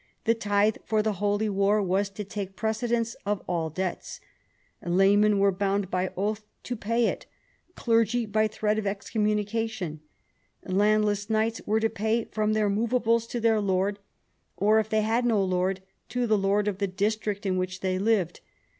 The tithe for the Holy War was to take precedence of all debts. Laymen were bound by oath to pay it, clergy by threat of excommunication. Landless knights were to pay from their movables to their lord, or if they had no lord, to the lord of the district in which they lived.